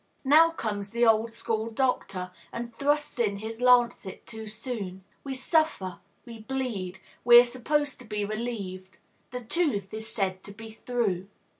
Now comes the old school doctor, and thrusts in his lancet too soon. We suffer, we bleed; we are supposed to be relieved. The tooth is said to be "through."